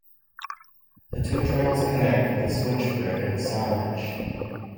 The two trails connect at the Switch Bridge in Saanich.